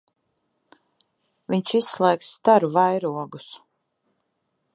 Viņš izslēgs staru vairogus.